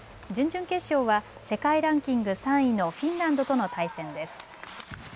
準々決勝は世界ランキング３位のフィンランドとの対戦です。